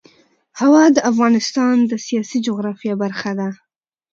هوا د افغانستان د سیاسي جغرافیه برخه ده.